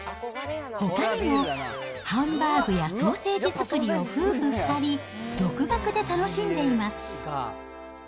ほかにも、ハンバーグやソーセージ作りを夫婦２人、独学で楽しんでいます。